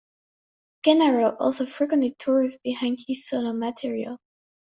Genaro also frequently tours behind his solo material.